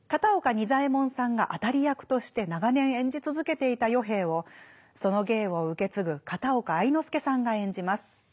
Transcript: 仁左衛門さんが当たり役として長年演じ続けていた与兵衛をその芸を受け継ぐ片岡愛之助さんが演じます。